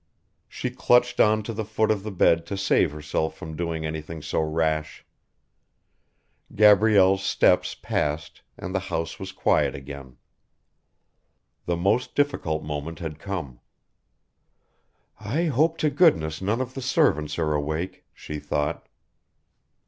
She clutched on to the foot of the bed to save herself from doing anything so rash. Gabrielle's steps passed, and the house was quiet again. The most difficult moment had come. "I hope to goodness none of the servants are awake," she thought...